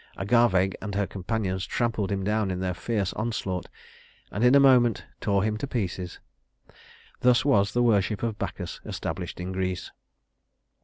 Agave and her companions trampled him down in their fierce onslaught, and in a moment tore him to pieces. Thus was the worship of Bacchus established in Greece.